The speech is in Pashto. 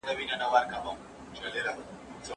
ایا تاسې غواړئ چې دلته پاتې شئ؟